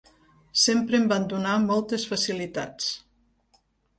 Sempre em van donar moltes facilitats.